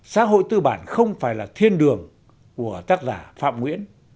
xã hội tư bản không phải là thiên đường của tác giả phạm nguyễn